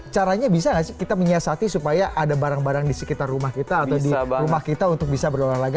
caranya bisa nggak sih kita menyiasati supaya ada barang barang di sekitar rumah kita atau di rumah kita untuk bisa berolahraga